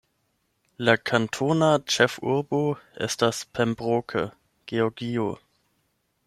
La kantona ĉefurbo estas Pembroke, Georgio.